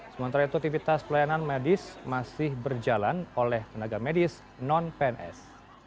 sementara itu aktivitas pelayanan medis masih berjalan oleh tenaga medis non pns